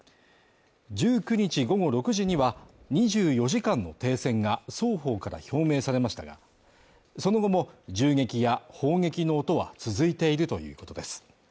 １９日午後６時には２４時間の停戦が、双方から表明されましたが、その後も銃撃や砲撃の音は、続いているということです。